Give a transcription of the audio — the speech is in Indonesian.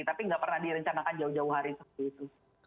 tapi nggak pernah direncanakan jauh jauh hari seperti itu